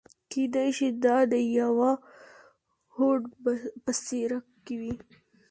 کېدای شي دا د يوه هوډ په څېره کې وي.